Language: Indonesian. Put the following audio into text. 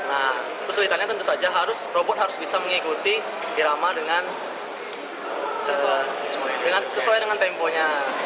nah kesulitannya tentu saja harus robot harus bisa mengikuti irama dengan sesuai dengan temponya